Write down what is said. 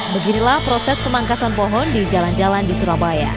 beginilah proses pemangkasan pohon di jalan jalan di surabaya